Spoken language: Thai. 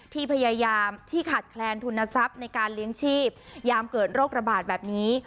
ที่พยายามที่ขาดแคลนทุนทรัพย์ในการเลี้ยงชีพยามเกิดโรคระบาดแบบนี้